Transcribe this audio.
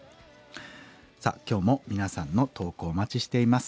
さあ今日も皆さんの投稿お待ちしています。